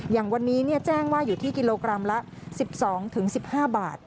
อย่างวันนี้แจ้งว่าอยู่ที่กิโลกรัมละ๑๒๑๕บาท